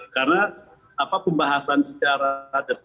karena pembahasan secara depan